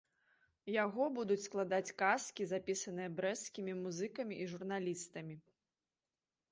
Яго будуць складаць казкі, запісаныя брэсцкімі музыкамі і журналістамі.